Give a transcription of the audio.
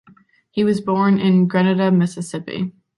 He was born in Grenada, Mississippi.